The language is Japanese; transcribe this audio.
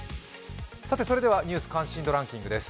それでは「ニュース関心度ランキング」です。